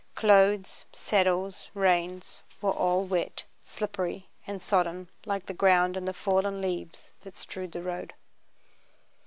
Clothes, saddles, reins, were all wet, slippery, and sodden, like the ground and the fallen leaves that strewed the road.